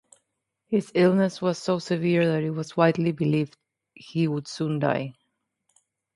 His illness was so severe that it was widely believed he would soon die.